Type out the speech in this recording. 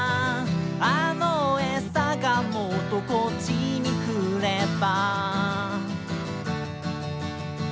「あの餌がもっとこっちに来れば」